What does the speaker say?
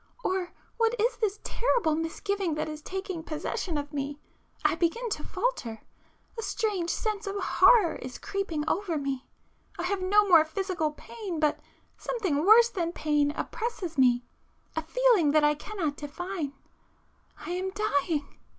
... or what is this terrible misgiving that is taking possession of me? ... I begin to falter ... a strange sense of horror is creeping over me ... I have no more physical pain, but something worse than pain oppresses me ... a feeling that I cannot define. I am dying